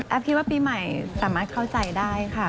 คิดว่าปีใหม่สามารถเข้าใจได้ค่ะ